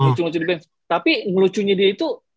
ngelucu ngelucu di bench tapi ngelucunya dia itu